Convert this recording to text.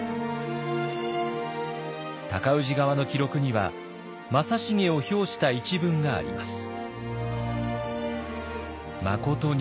尊氏側の記録には正成を評した一文があります。